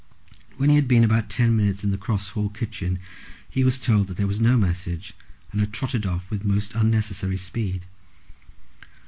When he had been about ten minutes in the Cross Hall kitchen, he was told that there was no message, and had trotted off with most unnecessary speed.